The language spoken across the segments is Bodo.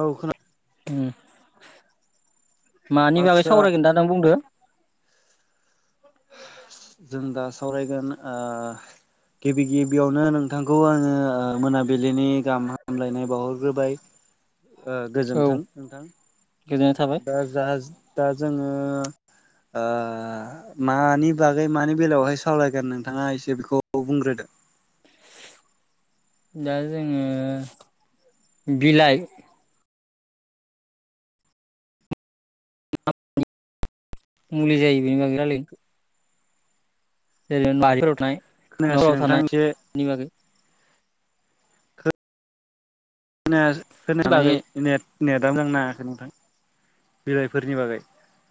औ खोन ओम मानि बागै आदसा सावरायगोन दा नों बुंदों जों दा सावरायगोन ओ गिबि गिबियावनो नोंथांखौ आङो मोनाबिलिनि गाहाम हामलायनाय बावहरग्रोबाय ओ औ गोजोनथों नोंथां गोजोननाय थाबाय दा जाज दाज जोङो ओ मानि बागै मानि बेलायावहाय सावरायगोन नोंथाङा एसे बेखौ बुंग्रोदो दा जोङो बिलाइ मुलि जायो बेनि बागै रायलाइ [unintelligible] खोनायासै नफोराव नोंथां थानाय एसे इनि बागै खोनायास होननानै बागै होनो। नेदा मोजां नाङाखै नोंथां बिलाइफोरनि बागै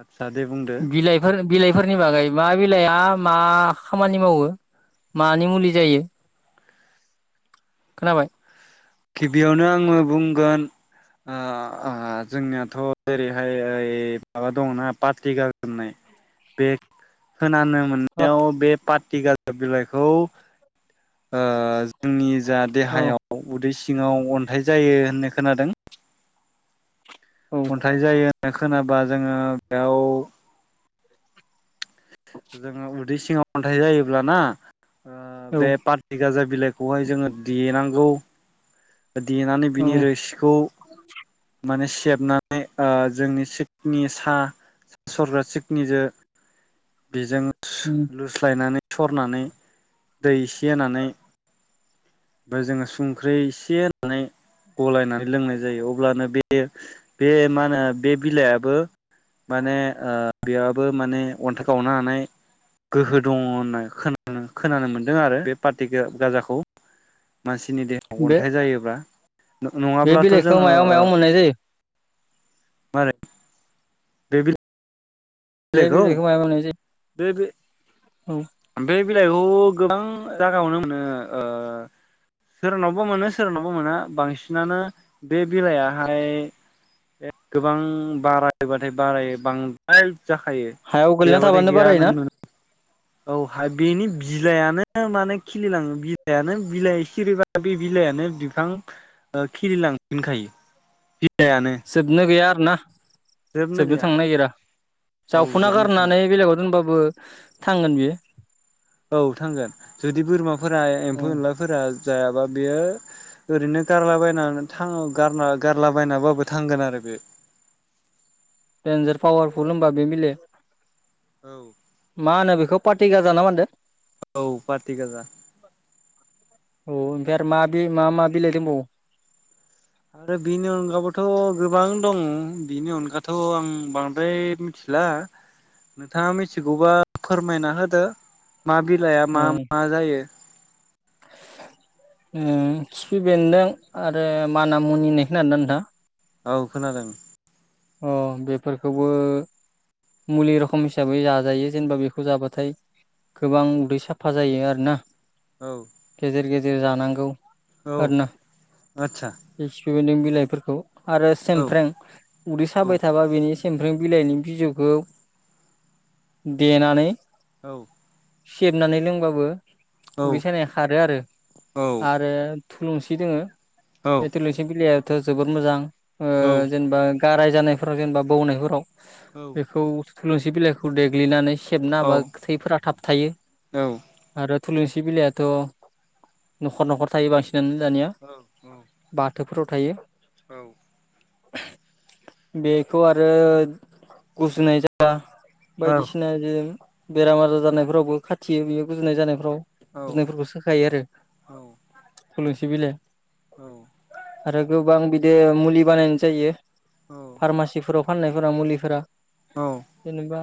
आदसा दे बुंदो बिलाइफोर बिलाइफोरनि बागै मा बि बिलाया मा खामानि मावो मानि मुलि जायो खोनाबाय? गिबियावनो आङो बुंगोन ओ ओहो जोंनियाथ' ओरैहाय माबा दङ ना पाटटि गा होननाय बे होनानो औ मोननायाव बे पाटटि गार बिलाइखौ ओज जोंनि जा औ देहायाव उदैसि ङाव अन्थाइ जायो होननाय खोनादों। औ अन्थाइ जायो होनना खोनाब बा जोङो बेयाव दै सिङाव अन्थाइ जायोब्लाना ओ बे पाट्टि गाजा बिलाइखौहाय जोङो देनांगौ देनानै औ बिनि रोसिखौ माने सि सेबनानै ओ जोंनि सिकनि सा सरग्रा सिकनिजो बेजों लुस्लायनानै सरनानै दै एसे होनानै ओमफ्राय जोङो संख्रि एसे होननानै गलायनानै लोंनाय जायो अब्लानो बे बे मा होनो बे बिलाइआबो माने बेयाबो माने अन्थाइ गावनो हानाय गोहो दङ होनना खो खोनानो मोन्दों आरो बे पाट्टि गाजाखौ। मानसिनि देहायाव बे अन्थाइ जायोब्ला बे नङाब्लाथ' बिलाइखौ जोङो मायाव मायाव मोननाय ओ जायो मारै बे बि बेे बिलायखौ मायाव मोननाय जायो? बे औ बे बिलाइखौ गोबां जागायावनो मोनो ओ सोरनावबा मोनो सोरनावबा मोना बांसिनानो बे बिलाइयाहाय गोबां बारायबाथाय बारायो। बांद्राय जाखायो, हायाव गोलैना गैयाबाथाय थाबानो गैया बारायोना नों नु औ हाया बेनि बिलाइआनो माने खिलिलाङो बिलाइआनो बिलाइ सिरिबा बे बिलाइआनो बिफां ओ खिलिलांफिनखायो। बिलाइानो सोदनो गैया। ना जोबनो थांनो नागिरा औ जावफुना जोबनो थाङा गारनानै बेलेगाव दोनबाबो बो थांगोन बियो। औ थांगोन। जुदि बोरमाफोरा उम एम्फौ एनलाफोर जायाबा बेयो ओरैनो गारलाबायनानै थाङो गारना गारलाबायनाबाबो थांगोन आरो बेयो। देन्जार फावारफुल होमबा बे बिला औ मा होनो बेखौ पाटि गाजा ना मानदो? औ पाटि गाजा। औ ओमफ्राय आरो मा बे मा मा बिलाइ दंबावो? आरो बेनि अनगाबोथ' गोबां दं बिनि अनगाथ' आं बांद्राय मिथिला नोंथाङा मिथिगौबा फोरमायना होदो। मा बिलाइआ औ मा मा जायो। खिफि बेन्दों आरो माना मुनि होनाय खोनादोंना नोंथां? औ खोनादों। अह बेफोरखौबो मुलि रखम हिसाबै जाजायो जेनेबा बेखौ जाबाथाय गोबां उदै साफा जायो आरोना। औ गेजेर गे जेर जानांगौ। औ आरोना आच्छा। बे खिफि बेन्दों बिलाइफोरखौ। आरो सेमफ्रें। उदै औ साबाय थाबा बिनि समफ्रें बिलाइनि बिजौखौ देनानै औ। सेबनानै लोंबाबो औ उदै सानाया खारो आरो औ आरो थुलुंसि दोङो। औ बे थुलुसि बिलाया थ' जोबोर मोजां। ओ जेनेबा गाराय जानायफोराव जेनेबा बौनायफोराव औ बेखौ थुलुसि बिलाइखौ देग्लिनानै सेबना औ हाबा थैफोरा थाब थायो औ आरो थुलुनसि बिलायाथ'' न'खर न'खर थायो बांसिन यानो दानिया बा थौफोराव थायो। औ। [unintelligible] बेखौ आरो गुजुनाय जाया ओम ओम बायदिसिनाजों बेराम आजार जानायफ्रावबो खाथियो बेयो गुजुनाय जानायफ्राव। गुजुनायफोरखौ सोखायो आरो। थुलुनसि बिलाय। औ। आरो गोबां बिदि मुलि बानायनाय जायो। फारमासिफोराव फाननायफोरा मुलिफोरा जेनेबा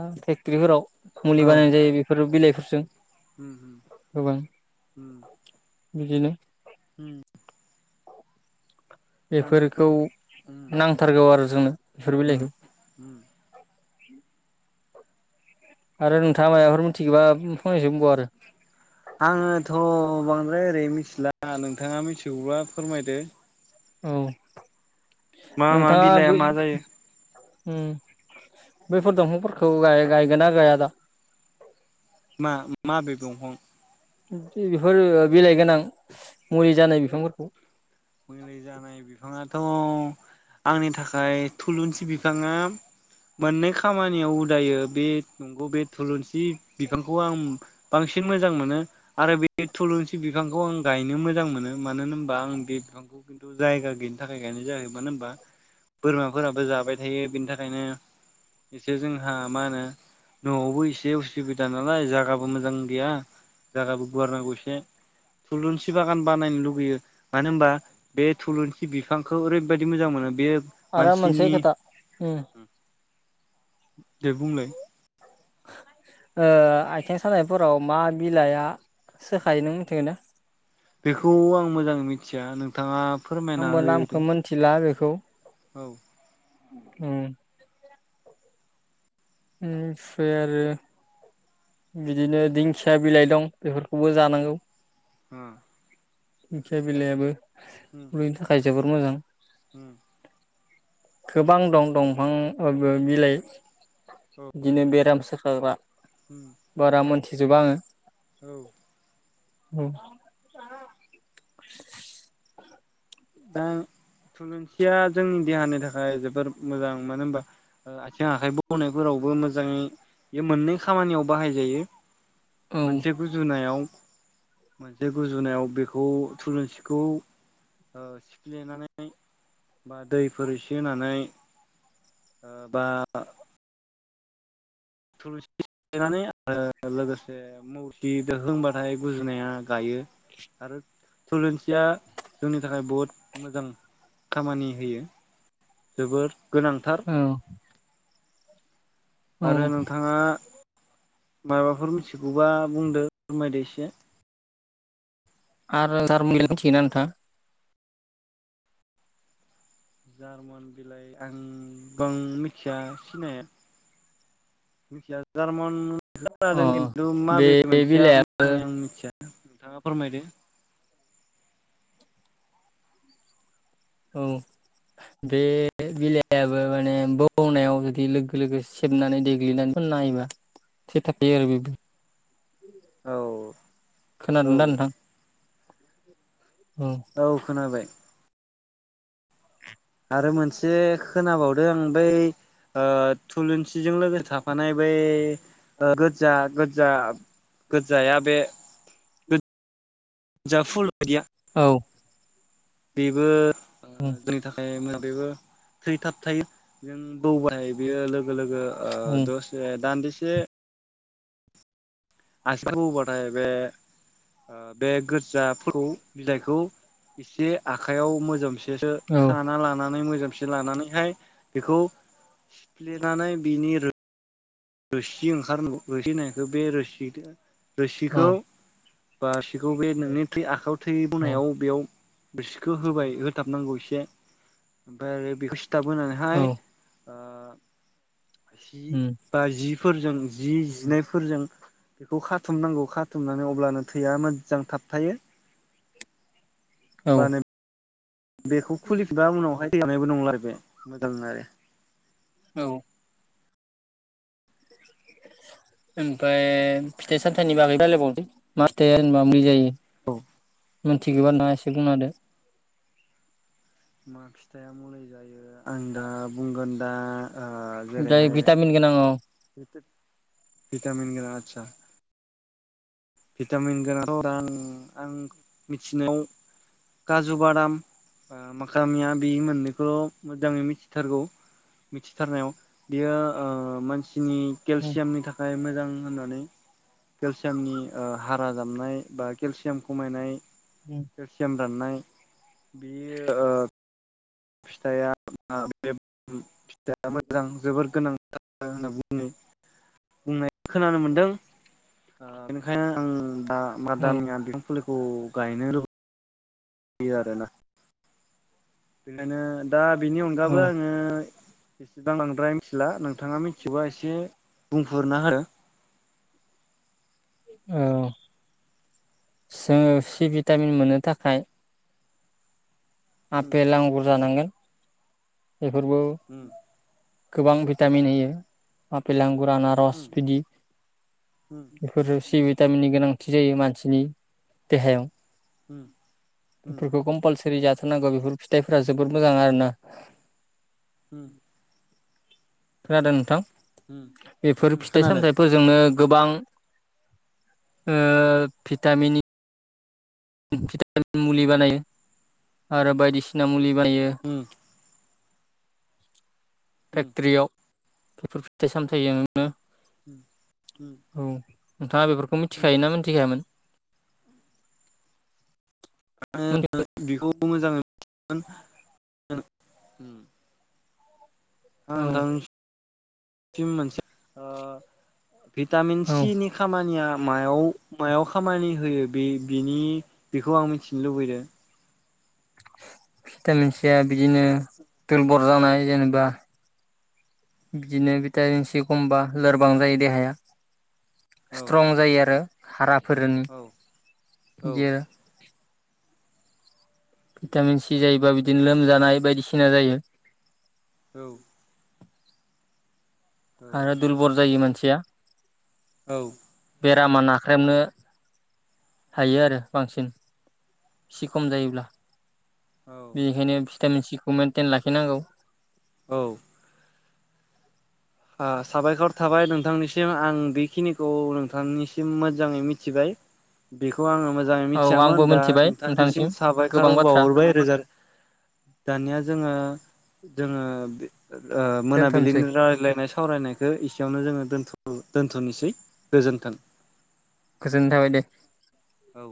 ग्रिहोराव। मुलि बानायनाय जायो बेफोर बिलाइ जों उम उम उम। बिदिनो उम। बेफोरखौ नांथारगौ आरो जोंनो बेफोर बेलाइखौ। [inaudible] ओम आरो नोंथाङा मायबाफोर मिथिगोबा फंनैसो बुंबाव आरो। आङोथ' बांद्राय ओरै मिथिला नोंथाङा मिथिगौब्ला फोरमायदो। औ। मा मा नोंथाङा बिलाइआ बो मा जायो? उम बेफोर दंफांफोरखौ गाय-गायगोना गाया दा? मा माबे दंफां? बेफोर बिलाइ गोनां मुलि जानाय बिफांफोरखौ। मुलि जानाय बिफांङाथ' अ' आंनि थाखाय थुलुनसि बिफाङा मोननै खामानियाव उदायो बे नंगौ बे थुलुनसि बिफांखौ आं बांसिन मोजां मोनो। आरो बे थुलुनसि बिफांखौ आं गायनो मोजां मोनो मानो होनोबा आं बे बिफांखौ खिन्थु जायगा गैयिनि थाखाय गायनाय जायाखै मानो होनबा बोरमाफोराबो जाबाय थायो बेनि थाखायनो एसे जोंहा मा होनो न'आवबो एसे उसुबिदा नालाय जागाबो मोजां गैया। जागाबो गुवार नांगौ एसे थुलुनसि बागान बानायनो लुुबैयो मानो होनबा बे थुलुनसि बिफांखौ ओरैबायदि मोजां मोनो बेयो आरो मोनसे खोथा उम। दे बुंलाय ओ आयथें सानायफोराव मा बिलाइआ सोखायो नों मिथिगोन ना? बेखौ आं मोजाङै मिथि मिथिया नोंथाङा फोरमायना आंबो होदो नामखो मोनथिला आरो खौ औ उम उमफाय आरो बिदिनो दिंखिया बिलाइ दं बेफोरखौबो जानांगौ। होम दिंखिया बिलायाबो रुयनो थाखाय जोबोर मोजां। होम गोबां दं दंफां ओ‌ बो बिलाइ बिदिनो बेराम सोखाग्रा बारा मोन्थि थिजोबा आङो औ औ [inaudible] दा थुलुंसिया जोंनि देहानि थाखाय जोबोर मोजां मानो होनबा ओ आथिं आखाइ बौनायफोरावबो मोजांयै बे मोननै खामानियाव बाहायजायो। औ मोनसे गुजुनायाव। मोनसे गुजुनायाव बेखौ थुलुंसिखौ ओ सिफ्लेनानै बा दैफोर एसे होनानै ओ बा थुलुंसि सिफ्लेनानै आरो लोगोसे मौसि दोहोंबाथाय गुजुनाया गायो आरो थुलुंसि सिया जोंनि थाखाय बुहुत मोजां। खामानि होयो। जोबोर गोनांथार। औ औ आरो नोंथाङा माबाफोर मिथिगौबा बुंदो फोरमायदो इस यो आरो जारमुनिखो मिथियोना नोंथाङा? [inaudible] आं गोबां मिथिया सिनाया मिथिया जार्मन अ खोनादों किन्थु बे माबे मोनसेया बिलाइआ मोजाङै आं मिथिया। नोंथाङा फोरमायदो। औ बे बिलाइाबो माने बौनायाव जुदि लोगो लोगो सेबनानै देग्लिनानै फोनाहोयोब्ला थै थाखायो आरो बेबो औ औ खोनादों दा नोंथां? औ खोनाबाय। आरो मोनसे खोनाबावदों आं बै ओ थुलुंसि सिजों लोगोसे थाफानाय ओ बै गोदजा गोदजा गोद जाया बे गोद जा औ बेबो ओ जोंनि थाखाय मो बेबो थै थाब थायो जों बौबाय बियो लोगो लोगो ओ औ दसे दान्दिसे से आसि बौबाथाय बे ओ बे गो जा फु बिलाइखौ एसे आखाइयाव मोजोमसेसो खाना लानानै मोजां फिलानानैहाय बेखौ सिफ्लेनानै बिनि रो रोसि ओंखार होनाय नांगौ रोसि होनाय बे रोसिदो औ रोसिखौ बा सिखौ बे नोंनि थै आखाइयाव औ थैबोवनायाव बेयाव रोसिखो होबाय हो थाबनांगौ एसे ओमफ्राय आरो बेखो सिथाब होनानैहाय ओ हि बा जिफोरजों जि जिनायफोरजों बेखौ खाथुमनांगौ खाथुमनानै अब्लानो थैया मोज जां थाबथायो औ बानो बेखौ खुलिफिनबा उनावहाय थैगानायबो नंला आरो बे मोजां आरो औ ओमफ्राय फिथाय सामथाइनि बागै रायलायबावनि मा फिथाइया जेनेबा मुलि जायो औ मिथिगोबा नोंथांङा एसे बुंनाहोदो मा फिथाइआ मुलि जायो आं दा बुंगोन दा ओ ओमफ्राय जेरैहाय भिटामिन गोनां औ भिटामिन गोनां आदसा भिटामिन गोनांं औ आं मिथिनायाव काजु बादाम ओ माखामिया बे मोननैखौ मोजांङै मिथिथारगौ मिथिथारनायाव बियो ओ मानसिनि केलसियामनि थाखाय मोजां। होननानै केलसियामनि ओ हारा जामनाय बा केलसियाम खमायनाय केलसियाम राननाय। बेयो ओ फिथाया [unintelligible] दा मोजां जोबोर गोनां [unintelligible] होनना बु [unintelligible] बुंनाय खोनानो मोनदों ओ बेनिखायनो आं दा मादामिया बिफां फुलिखौ। गायनो र' दि आरोना? बेखायनो दा बिनि औ अनगाबो आङो [unintelligible] मिथिला नों थाङा मिथियोबा एसे बुंफोरना हो। औ जोङो सि भिटामिन मोननो थाखाय आफेल आंगुर जानांगोन। बेफोरबो गोबां भिटामिन होयो आफेल आंग गुर आनारस बिदि बेफोर सि भिटामिननि गोनां। थि जायो मानसिनि देहायाव बेफोरखौ कमपालस [unintelligible] नांगौ बेफोर फिथाइफोरा जोबद मोजां आरोना? उम खोनादों नोंथां? बेफोर फिथाइ खोनादों सामथाइफोरजोंनो गोबां ओ भिटामिननि भिटामिन मुलि बानायो आरो बायदिसिना मुलि बायो। फेकथ्रियाव बेफोर फिथाइ सामथाइजों उम उम नोंथाङा बेफोर खौ मिथिखायोना मिथिखायामोन? बेखौ मोजां। उम। [inaudible] औ नों [unintelligible] मोनसे ओ भिटामिन औ सिनि खामानिया मायाव मायाव खामानि होयो। बे बिनि बेखौ आं मिथिनो लुबैदों भिटामिन सिया बिदिनो दरबल जानाय जेनेबा बिदिनो भिटामिन सि खमबा लोरबां जायो देहाया औ स्ट्रं जायो आरो। खाराफ। फोरनि औ औ गे भिटामिन सि जायोबा बिदिनो लोमजानाय बायदिसिना जायो। औ। आरो दुरबल जायोमोन। थिया। औ। बेरामा नाख्रेबनो हायो आरो बांसिन एसे खम जायोब्ला औ बेखायनो। भिटामिन सिखौ मेेनटेन लाखिनांगौ औ। ओ साबायखर थाबाय नोंथांनिसिम आं बेखिनिखौ नोंथांनिसिम मोजाङै मिथिबाय। बेखौ आङो मोजाङै औ आंबो मिथियामोन दा मिथिबाय नोंथांसिम नोंथांनिसिम गोबां साबायखार बाथ्रा बावहरबाय रोजा दानिया जोङो। जोङो बे ओ दोनथ'सै मोनाबिलिनि रायलाय। सावरायनायखौ एसेयावनो जोङो दोनथ'नोसै गोजोन्थों। गोजोनाय थाबाय दे। औ